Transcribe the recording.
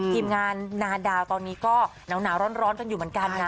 ทีมงานนาดาวตอนนี้ก็หนาวร้อนกันอยู่เหมือนกันนะ